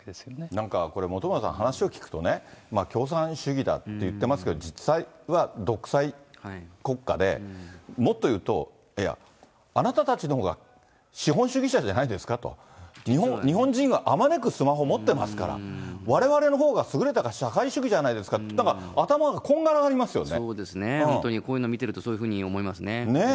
なんかこれ、本村さん、話を聞くとね、共産主義だって言ってますけれども、実際は独裁国家で、もっと言うと、いや、あなたたちのほうが資本主義者じゃないんですかと、日本人はあまねくスマホ持ってますから、われわれのほうが優れた社会主義じゃないですかって、なんか頭がそうですね、本当にこういうのを見ていると、そういうふうに思いますね。